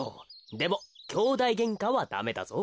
でもきょうだいげんかはダメだぞ。